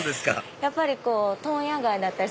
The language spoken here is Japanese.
やっぱり問屋街だったり。